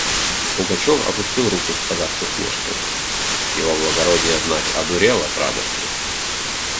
Пугачев опустил руку, сказав с усмешкою: «Его благородие, знать, одурел от радости.